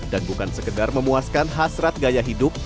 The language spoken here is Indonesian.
dan bukan sekedar memuaskan hasrat gaya hidup